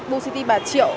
bù city bà triệu